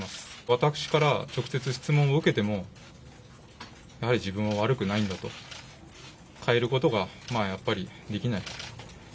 私から直接質問を受けても、やはり自分は悪くないんだと、変えることがやっぱりできない。